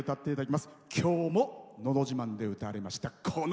きょうも「のど自慢」で歌われました